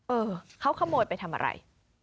เออเขาขโมยไปทำอะไร